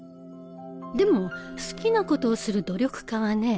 でも好きなことをする努力家はね